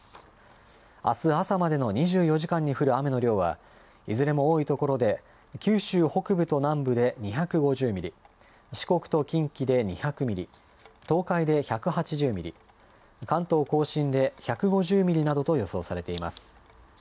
あす朝までの２４時間に降る雨の量は、いずれも多い所で、九州北部と南部で２５０ミリ、四国と近畿で２００ミリ、東海で１８０ミリ、関東甲信で１５０ミリなどと予想されています。